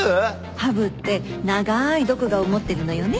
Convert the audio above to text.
ハブって長い毒牙を持ってるのよね？